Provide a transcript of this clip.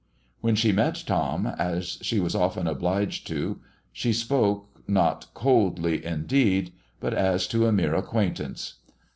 When she met Tom, as she was often obliged to, she spoke not coldly indeed, but as to a mere acquaintance.